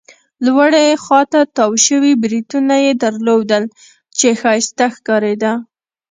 لوړې خوا ته تاو شوي بریتونه يې درلودل، چې ښایسته ښکارېده.